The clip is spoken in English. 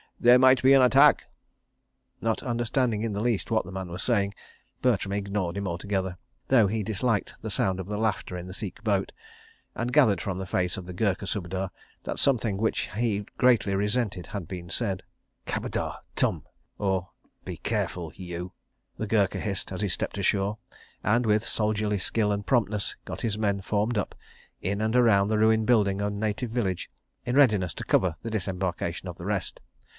There might be an attack. ..." Not understanding in the least what the man was saying, Bertram ignored him altogether, though he disliked the sound of the laughter in the Sikh boat, and gathered from the face of the Gurkha Subedar that something which he greatly resented had been said. "Khabadar ... tum!" the Gurkha hissed, as he stepped ashore, and, with soldierly skill and promptness, got his men formed up, in and around the ruined building and native village, in readiness to cover the disembarkation of the rest.